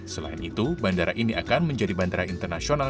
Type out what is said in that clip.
selain itu bandara ini akan menjadi bandara internasional